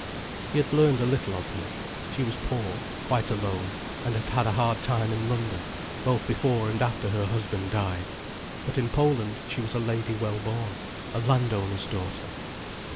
He had learned a little of her. She was poor, quite alone, and had had a hard time in London, both before and after her husband died. But in Poland she was a lady well born, a landowner's daughter.